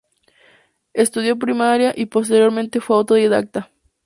Estudió primaria y posteriormente fue autodidacta.